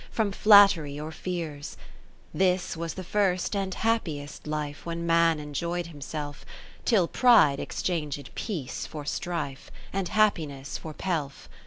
From flattery or fears ! This was the first and happiest life, When man enjoy'd himself; Till Pride exchanged peace for strife, And happiness for pelf.